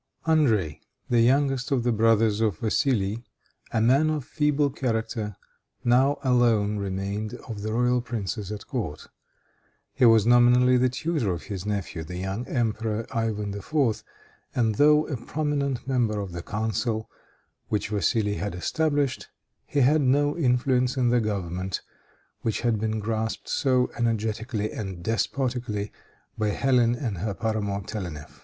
André, the youngest of the brothers of Vassili, a man of feeble character, now alone remained of the royal princes at court. He was nominally the tutor of his nephew, the young emperor, Ivan IV., and though a prominent member of the council which Vassili had established, he had no influence in the government which had been grasped so energetically and despotically by Hélène and her paramour Telennef.